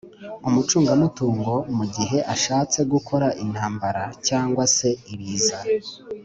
Umucungamutungo mu gihe ashatse gukora intambara cyangwa se ibiza